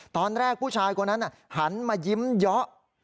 ตอนแรกผู้ชายคนนั้นหันมายิ้มเยาะ